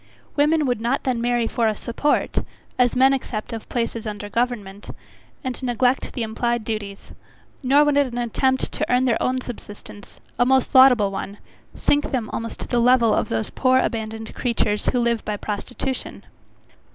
Women would not then marry for a support, as men accept of places under government, and neglect the implied duties; nor would an attempt to earn their own subsistence, a most laudable one! sink them almost to the level of those poor abandoned creatures who live by prostitution.